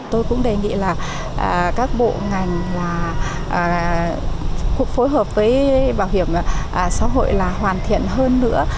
tôi cũng đề nghị là các bộ ngành là phối hợp với bảo hiểm xã hội là hoàn thiện hơn nữa